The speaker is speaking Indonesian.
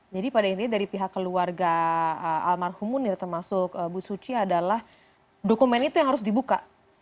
jadi pada intinya dari pihak keluarga almarhum munir termasuk bu suci adalah dokumen itu yang harus dibuka